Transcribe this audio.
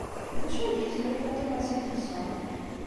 D acu ay d-yesnulfa Thomas Edison?